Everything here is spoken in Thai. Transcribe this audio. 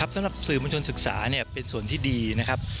สำหรับสื่อมวลชนศึกษาเป็นส่วนที่ดีนะครับ